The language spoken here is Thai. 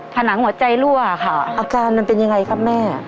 ผนังหัวใจรั่วค่ะอาการมันเป็นยังไงครับแม่